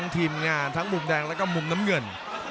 ทีมงานทั้งมุมแดงแล้วก็มุมน้ำเงิน